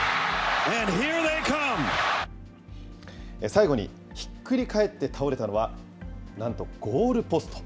最後に、ひっくりかえって倒れたのは、なんとゴールポスト。